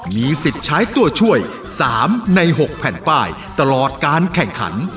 มีสิทธิ์ใช้ตัวช่วย๓ใน๖แผ่นป้ายตลอดการแข่งขัน